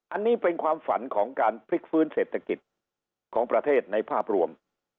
อันนี้เป็นความฝันของการพลิกฟื้นเศรษฐกิจของประเทศในภาพรวม